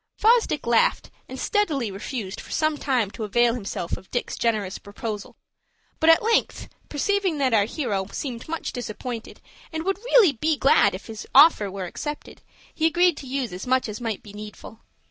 Fosdick laughed, and steadily refused for some time to avail himself of Dick's generous proposal; but at length, perceiving that our hero seemed much disappointed, and would be really glad if his offer were accepted, he agreed to use as much as might be needful.